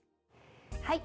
はい。